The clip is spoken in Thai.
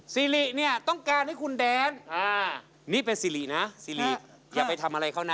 สิริเนี่ยต้องการให้คุณแดนนี่เป็นสิรินะซิริอย่าไปทำอะไรเขานะ